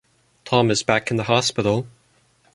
Tom is back in the hospital.